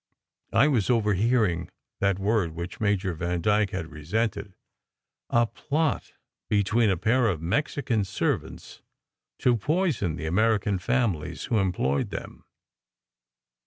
I was overhearing (that word which Major Vandyke had resented!) a plot between a pair of Mexican servants to poison the American families who employed them.